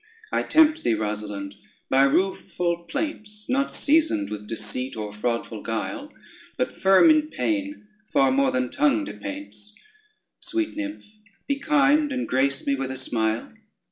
I tempt thee, Rosalynde, by ruthful plaints, Not seasoned with deceit or fraudful guile, But firm in pain, far more than tongue depaints, Sweet nymph, be kind, and grace me with a smile.